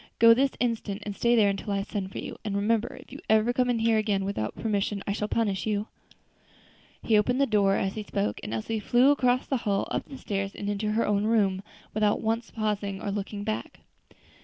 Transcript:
go this instant, and stay there until I send for you; and remember, if you ever come in here again without permission I shall punish you." He opened the door as he spoke, and Elsie flew across the hall, up the stairs, and into her own room, without once pausing or looking back.